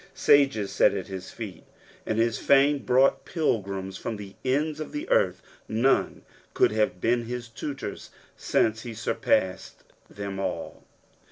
Sages sat at his feet, and his fame brought pilgrims from the ends of the earth : none could have been his tutors, since he surpassed them all.